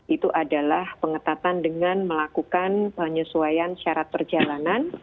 itu adalah pengetatan dengan melakukan penyesuaian syarat perjalanan